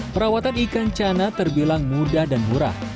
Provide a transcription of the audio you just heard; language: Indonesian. perawatan ikan cana terbilang mudah dan murah